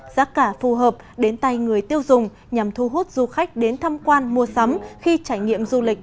giá cả phù hợp đến tay người tiêu dùng nhằm thu hút du khách đến thăm quan mua sắm khi trải nghiệm du lịch